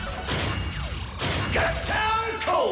「ガッチャンコ！」